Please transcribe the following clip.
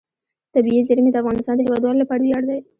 طبیعي زیرمې د افغانستان د هیوادوالو لپاره ویاړ دی.